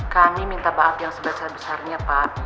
kami minta maaf yang sebesar besarnya pak